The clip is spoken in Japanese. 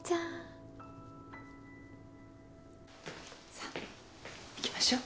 さっ行きましょう。